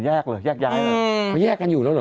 อ๋อแยกเลยแยกย้ายเลย